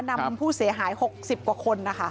นำผู้เสียหาย๖๐กว่าคนนะคะ